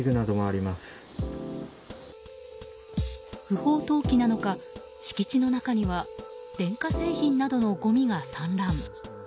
不法投棄なのか敷地の中には電化製品などのごみが散乱。